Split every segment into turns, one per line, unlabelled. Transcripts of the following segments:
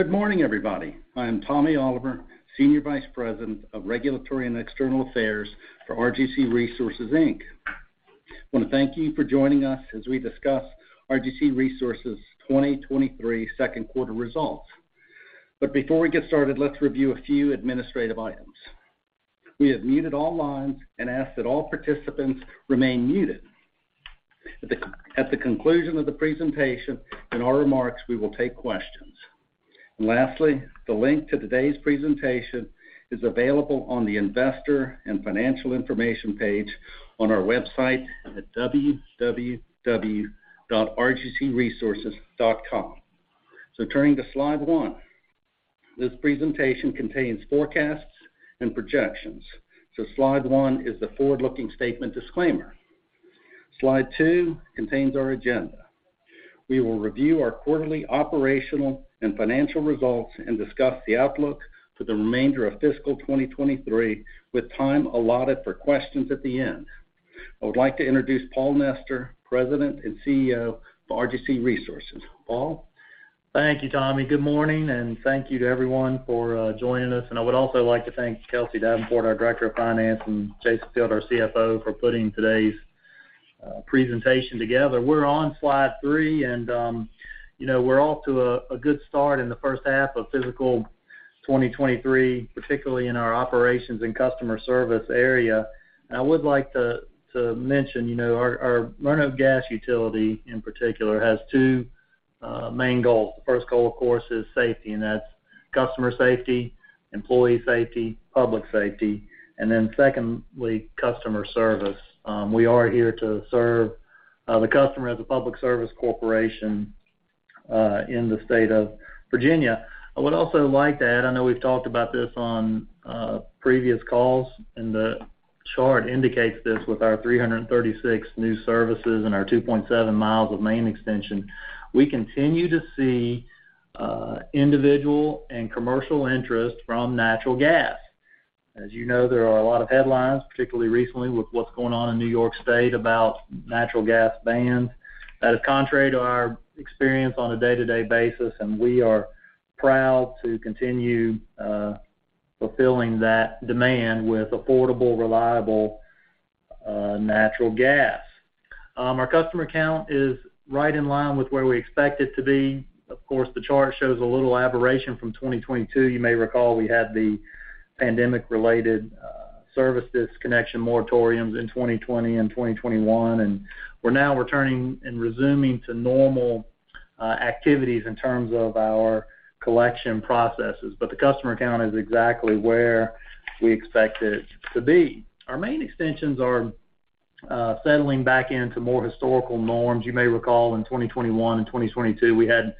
Good morning, everybody. I'm Tommy Oliver, Senior Vice President of Regulatory and External Affairs for RGC Resources Inc. I wanna thank you for joining us as we discuss RGC Resources' 2023 Q2 results. Before we get started, let's review a few administrative items. We have muted all lines and ask that all participants remain muted. At the conclusion of the presentation and our remarks, we will take questions. Lastly, the link to today's presentation is available on the investor and financial information page on our website at www.rgcresources.com. Turning to slide one. This presentation contains forecasts and projections, slide one is the forward-looking statement disclaimer. Slide two contains our agenda. We will review our quarterly operational and financial results and discuss the outlook for the remainder of fiscal 2023, with time allotted for questions at the end. I would like to introduce Paul Nester, President and CEO of RGC Resources. Paul?
Thank you, Tommy. Good morning, thank you to everyone for joining us. I would also like to thank Kelsie Davenport, our Director of Finance, and Jason Field, our CFO, for putting today's presentation together. We're on slide three, and, you know, we're off to a good start in the first half of fiscal 2023, particularly in our operations and customer service area. I would like to mention, you know, our Roanoke Gas utility in particular has two main goals. The first goal, of course, is safety, and that's customer safety, employee safety, public safety, and then secondly, customer service. We are here to serve the customer as a public service corporation in the state of Virginia. I would also like to add, I know we've talked about this on previous calls. The chart indicates this with our 336 new services and our 2.7 miles of main extension. We continue to see individual and commercial interest from natural gas. As you know, there are a lot of headlines, particularly recently with what's going on in New York State about natural gas bans. That is contrary to our experience on a day-to-day basis. We are proud to continue fulfilling that demand with affordable, reliable, natural gas. Our customer count is right in line with where we expect it to be. Of course, the chart shows a little aberration from 2022. You may recall we had the pandemic-related services connection moratoriums in 2020 and 2021, we're now returning and resuming to normal activities in terms of our collection processes. The customer count is exactly where we expect it to be. Our main extensions are settling back into more historical norms. You may recall in 2021 and 2022, we had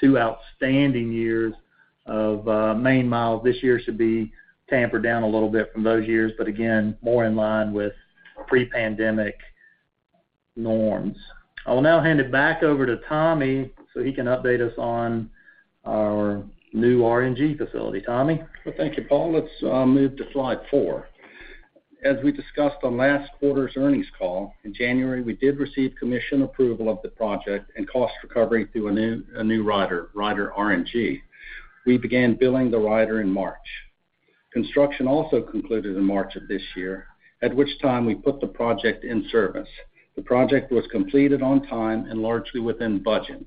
two outstanding years of main miles. This year should be tampered down a little bit from those years, again, more in line with pre-pandemic norms. I will now hand it back over to Tommy so he can update us on our new RNG facility. Tommy?
Thank you, Paul. Let's move to slide four. As we discussed on last quarter's earnings call, in January, we did receive commission approval of the project and cost recovery through a new rider RNG. We began billing the rider in March. Construction also concluded in March of this year, at which time we put the project in service. The project was completed on time and largely within budget.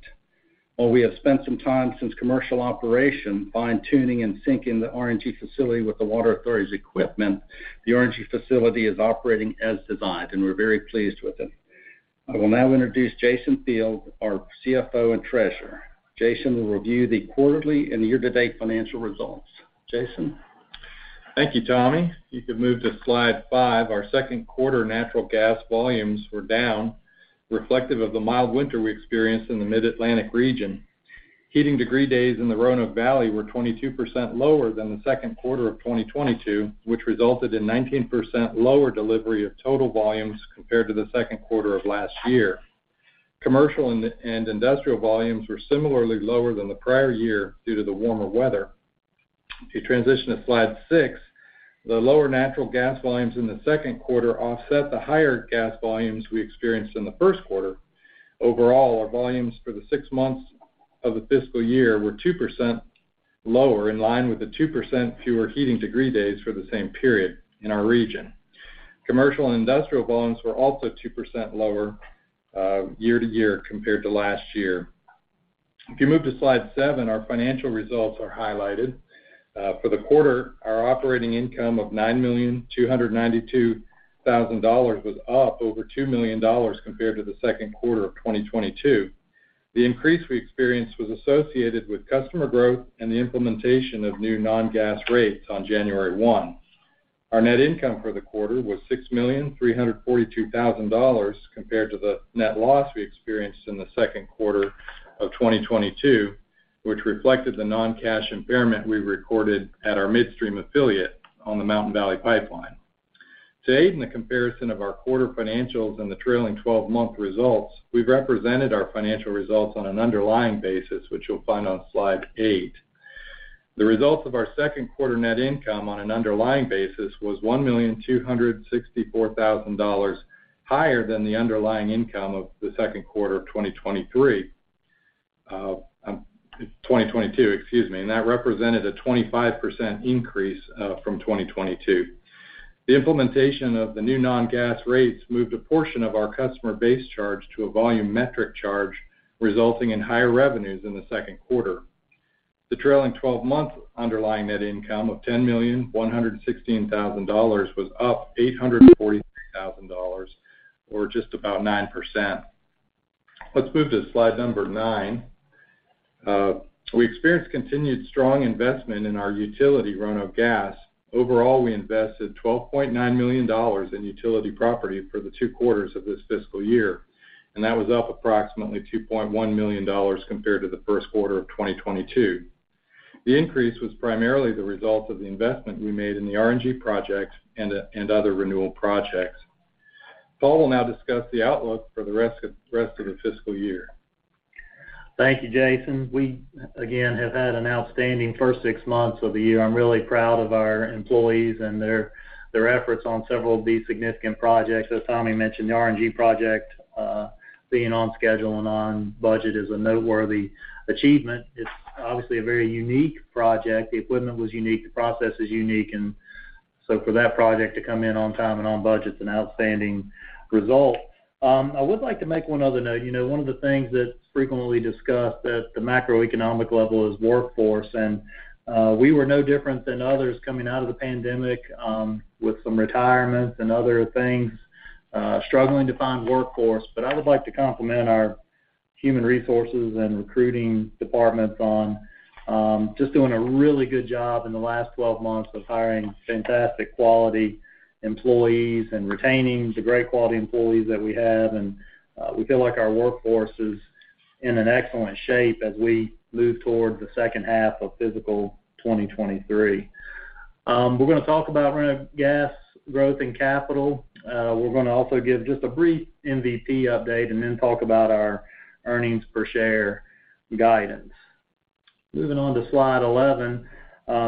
While we have spent some time since commercial operation fine-tuning and syncing the RNG facility with the Water Authority's equipment, the RNG facility is operating as designed, and we're very pleased with it. I will now introduce Jason Field, our CFO and Treasurer. Jason will review the quarterly and year-to-date financial results. Jason?
Thank you, Tommy. If you could move to slide five. Our Q2 natural gas volumes were down, reflective of the mild winter we experienced in the Mid-Atlantic region. Heating degree days in the Roanoke Valley were 22% lower than the Q2 of 2022, which resulted in 19% lower delivery of total volumes compared to the Q2 of last year. Commercial and industrial volumes were similarly lower than the prior year due to the warmer weather. If you transition to slide 6, the lower natural gas volumes in the Q2 offset the higher gas volumes we experienced in the Q1. Overall, our volumes for the 6 months of the fiscal year were 2% lower, in line with the 2% fewer heating degree days for the same period in our region. Commercial and industrial volumes were also 2% lower, year-to-year compared to last year. If you move to slide seven, our financial results are highlighted. For the quarter, our operating income of $9,292,000 was up over $2 million compared to the Q2 of 2022. The increase we experienced was associated with customer growth and the implementation of new non-gas rates on January 1. Our net income for the quarter was $6,342,000 compared to the net loss we experienced in the Q2 of 2022, which reflected the non-cash impairment we recorded at our midstream affiliate on the Mountain Valley Pipeline. Today, in the comparison of our quarter financials and the trailing twelve-month results, we've represented our financial results on an underlying basis, which you'll find on slide eight. The results of our Q2 net income on an underlying basis was $1,264,000 higher than the underlying income of the Q2 of 2023, 2022, excuse me, and that represented a 25% increase from 2022. The implementation of the new non-gas rates moved a portion of our customer base charge to a volumetric charge, resulting in higher revenues in the Q2. The trailing twelve-month underlying net income of $10,116,000 was up $843,000 or just about 9%. Let's move to slide number nine. We experienced continued strong investment in our utility run of river. Overall, we invested $12.9 million in utility property for the two quarters of this fiscal year. That was up approximately $2.1 million compared to the first quarter of 2022. The increase was primarily the result of the investment we made in the RNG projects and other renewal projects. Paul will now discuss the outlook for the rest of the fiscal year.
Thank you, Jason. We again have had an outstanding first six months of the year. I'm really proud of our employees and their efforts on several of these significant projects. As Tommy mentioned, the RNG project, being on schedule and on budget is a noteworthy achievement. It's obviously a very unique project. The equipment was unique. The process is unique and so for that project to come in on time and on budget is an outstanding result. I would like to make one other note. You know, one of the things that's frequently discussed at the macroeconomic level is workforce, and we were no different than others coming out of the pandemic, with some retirements and other things, struggling to find workforce. I would like to compliment our human resources and recruiting departments on just doing a really good job in the last 12 months of hiring fantastic quality employees and retaining the great quality employees that we have. We feel like our workforce is in an excellent shape as we move toward the second half of fiscal 2023. We're gonna talk about run of river growth and capital. We're gonna also give just a brief MVP update and then talk about our earnings per share guidance. Moving on to slide 11.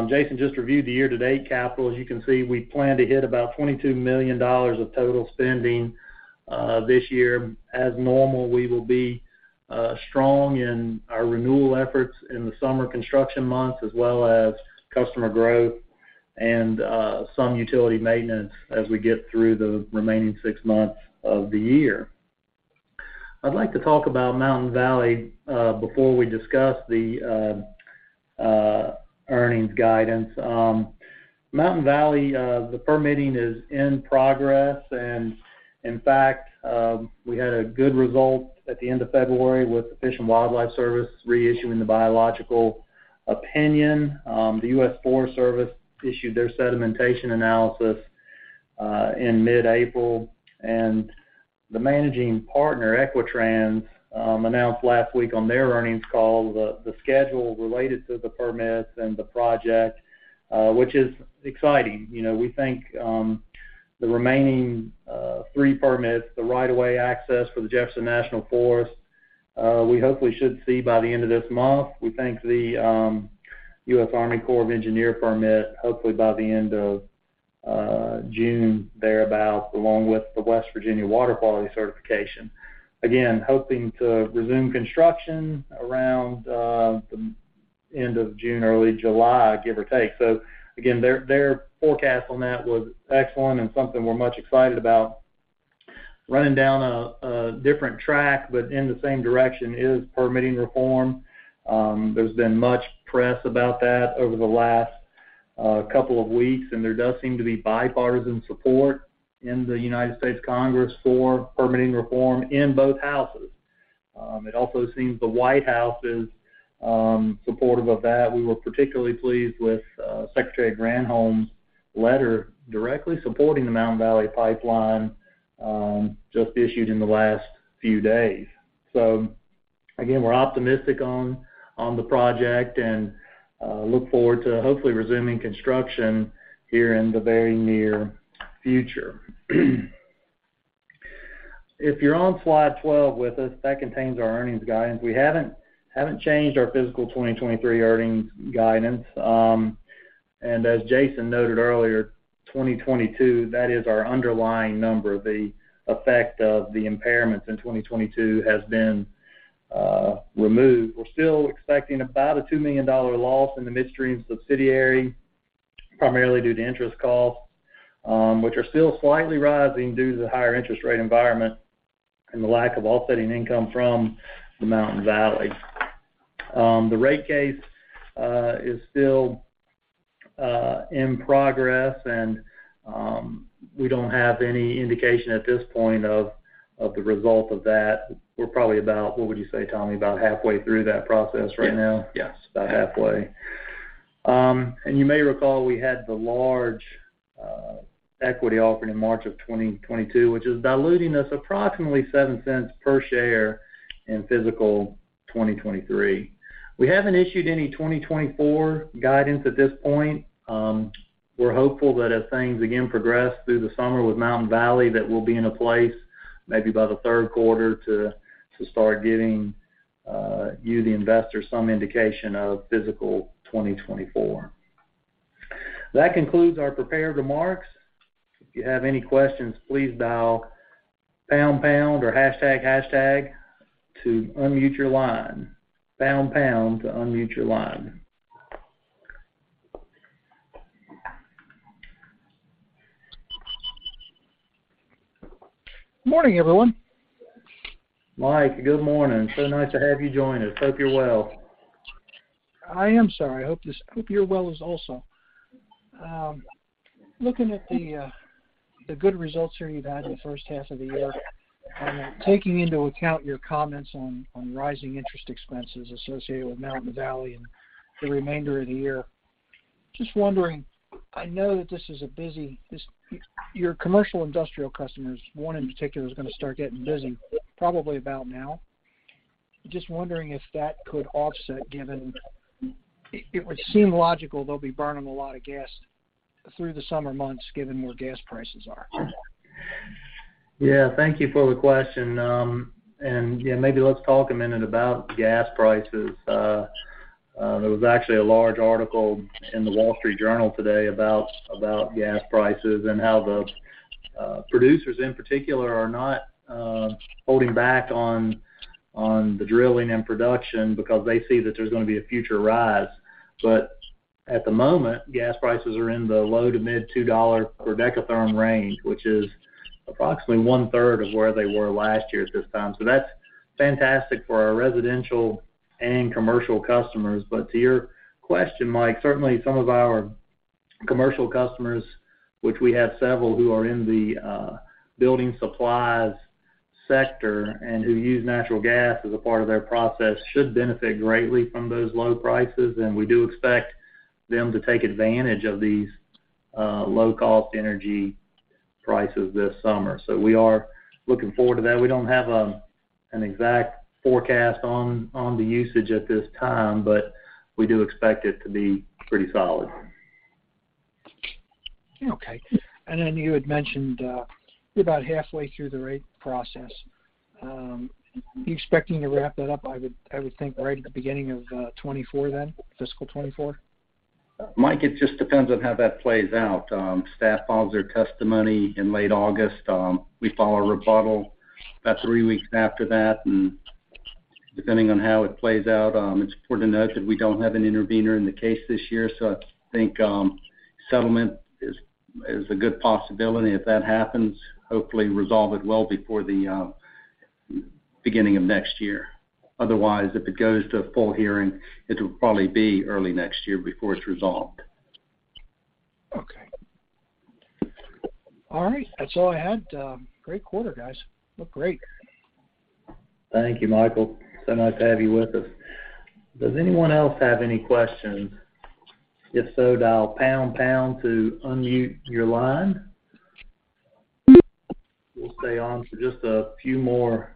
Jason just reviewed the year-to-date capital. As you can see, we plan to hit about $22 million of total spending this year. As normal, we will be strong in our renewal efforts in the summer construction months as well as customer growth and some utility maintenance as we get through the remaining six months of the year. I'd like to talk about Mountain Valley before we discuss the earnings guidance. Mountain Valley, the permitting is in progress. In fact, we had a good result at the end of February with the Fish and Wildlife Service reissuing the biological opinion. The US Forest Service issued their sedimentation analysis in mid-April. The managing partner, Equitrans, announced last week on their earnings call the schedule related to the permits and the project, which is exciting. You know, we think, the remaining three permits, the right of way access for the Jefferson National Forest, we hopefully should see by the end of this month. We think the U.S. Army Corps of Engineers permit hopefully by the end of June thereabout, along with the West Virginia Water Quality Certification. Again, hoping to resume construction around the end of June, early July, give or take. Again, their forecast on that was excellent and something we're much excited about. Running down a different track but in the same direction is permitting reform. There's been much press about that over the last couple of weeks, and there does seem to be bipartisan support in the United States Congress for permitting reform in both Houses. It also seems the White House is supportive of that. We were particularly pleased with Secretary Granholm's letter directly supporting the Mountain Valley Pipeline, just issued in the last few days. Again, we're optimistic on the project and look forward to hopefully resuming construction here in the very near future. If you're on slide 12 with us, that contains our earnings guidance. We haven't changed our fiscal 2023 earnings guidance. As Jason noted earlier, 2022, that is our underlying number. The effect of the impairments in 2022 has been removed. We're still expecting about a $2 million loss in the midstream subsidiary, primarily due to interest costs, which are still slightly rising due to the higher interest rate environment and the lack of offsetting income from the Mountain Valley. The rate case is still in progress, and we don't have any indication at this point of the result of that. We're probably about, what would you say, Tommy, about halfway through that process right now?
Yes.
About halfway. You may recall we had the large equity offering in March of 2022, which is diluting us approximately $0.07 per share in fiscal 2023. We haven't issued any 2024 guidance at this point. We're hopeful that as things again progress through the summer with Mountain Valley, that we'll be in a place maybe by the third quarter to start giving you the investor some indication of fiscal 2024. That concludes our prepared remarks. If you have any questions, please dial pound pound or hashtag to unmute your line. Pound, pound to unmute your line.
Morning, everyone.
Mike, good morning. Nice to have you join us. Hope you're well.
I am, sir. I hope you're well as also. Looking at the good results here you've had in the first half of the year, then taking into account your comments on rising interest expenses associated with Mountain Valley and the remainder of the year. Just wondering, I know that this is a busy, your commercial industrial customers, one in particular, is gonna start getting busy probably about now. Just wondering if that could offset given, it would seem logical they'll be burning a lot of gas through the summer months given where gas prices are.
Thank you for the question. Maybe let's talk a minute about gas prices. There was actually a large article in The Wall Street Journal today about gas prices and how the producers in particular are not holding back on the drilling and production because they see that there's gonna be a future rise. At the moment, gas prices are in the low to mid $2 per dekatherm range, which is approximately one-third of where they were last year at this time. That's fantastic for our residential and commercial customers. To your question, Mike, certainly some of our commercial customers, which we have several who are in the building supplies sector and who use natural gas as a part of their process, should benefit greatly from those low prices. We do expect them to take advantage of these low-cost energy prices this summer. We are looking forward to that. We don't have an exact forecast on the usage at this time, but we do expect it to be pretty solid.
Okay. You had mentioned you're about halfway through the rate process. Are you expecting to wrap that up, I would think right at the beginning of 2024 then, fiscal 2024?
Mike, it just depends on how that plays out. Staff files their testimony in late August. We file a rebuttal about three weeks after that. Depending on how it plays out, it's important to note that we don't have an intervener in the case this year, so I think settlement is a good possibility. If that happens, hopefully resolve it well before the beginning of next year. Otherwise, if it goes to a full hearing, it'll probably be early next year before it's resolved.
Okay. All right. That's all I had. Great quarter, guys. Looked great.
Thank you, Michael. Nice to have you with us. Does anyone else have any questions? If so, dial pound to unmute your line. We'll stay on for just a few more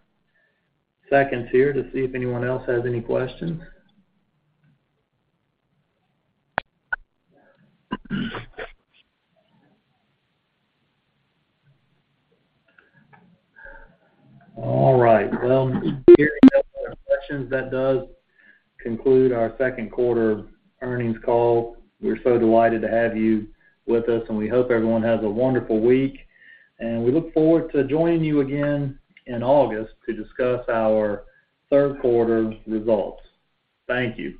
seconds here to see if anyone else has any questions. All right. Hearing no more questions, that does conclude our Q2 earnings call. We're so delighted to have you with us, and we hope everyone has a wonderful week. We look forward to joining you again in August to discuss our third quarter results. Thank you.